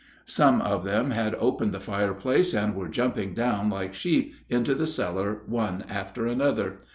Some of them had opened the fireplace and were jumping down like sheep into the cellar one after another.